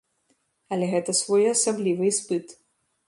Але гэта своеасаблівы іспыт.